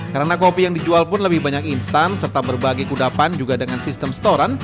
karena kopi yang dijual pun lebih banyak instan serta berbagai kudapan juga dengan sistem storan